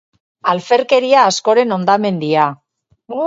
Alferkeria, askoren ondamendia.